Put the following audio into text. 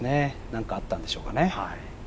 なんかあったんでしょうかね。